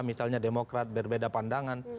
misalnya demokrat berbeda pandangan